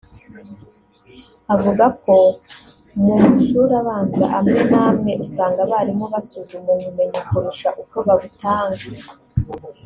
avuga ko mu mashuri abanza amwe n’amwe usanga abarimu basuzuma ubumenyi kurusha uko babutanga